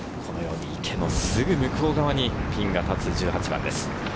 池のすぐ向こう側に、ピンが立つ１８番です。